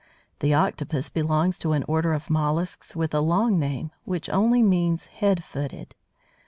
The Octopus belongs to an order of molluscs with a long name, which only means _head footed.